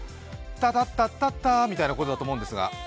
タタッタッタッタッタということだと思うんですが。